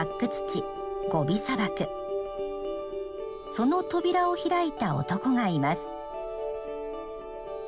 その扉を開いた男がいます。